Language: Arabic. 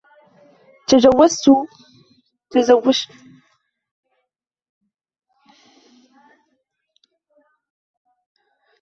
تزوجت رجلاً عجوزاً وثرياً.